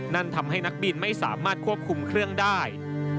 นั่นทำให้นักบินไม่สามารถควบคุมเครื่องได้